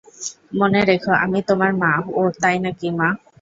মনে রেখো, আমি তোমার মা -ওহ তাই নাকি, মা?